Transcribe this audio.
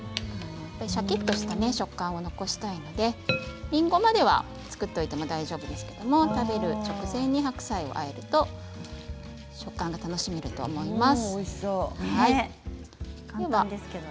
シャキッとした食感を残したいのでりんごまでは作っておいても大丈夫ですけど、食べる直前に白菜をあえると食感が楽しめると思います。